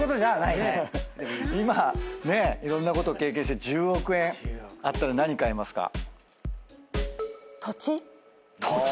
今ねいろんなこと経験して１０億円あったら何買いますか？